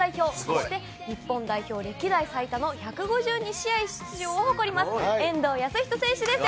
そして、日本代表歴代最多の１５２試合出場を誇ります